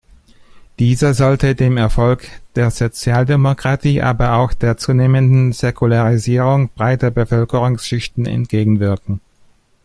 Dieser sollte dem Erfolg der Sozialdemokratie aber auch der zunehmenden Säkularisierung breiter Bevölkerungsschichten entgegenwirken.